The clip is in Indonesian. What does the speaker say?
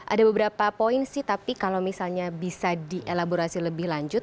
ada beberapa poin sih tapi kalau misalnya bisa dielaborasi lebih lanjut